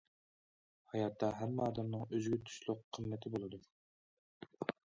ھاياتتا ھەممە ئادەمنىڭ ئۆزىگە تۇشلۇق قىممىتى بولىدۇ.